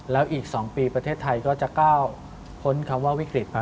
แล้วอีก๒ปีประเทศไทยก็จะก้าวพ้นคำว่าวิกฤตมา